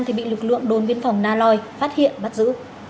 thì bị lực lượng đồn biên phòng na loi phát hiện bắt giữ